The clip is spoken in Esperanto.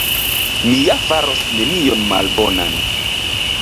Mi ja faros nenion malbonan.